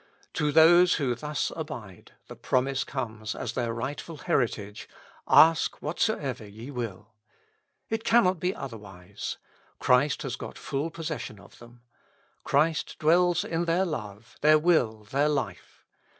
To those who thus abide, the promise comes as their rightful heritage: Ask whatsoever ye will. It cannot be otherwise. Christ has got full possession of them. Christ dwells in their love, their will, their life.